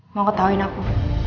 mau ketawain aku